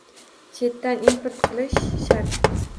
Chetdan import qilish shart.